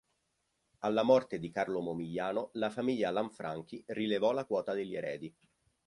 Alla morte di Carlo Momigliano la famiglia Lanfranchi rilevò la quota degli eredi.